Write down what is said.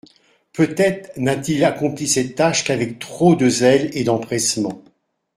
Peut-être n'a-t-il accompli cette tâche qu'avec trop de zèle et d'empressement.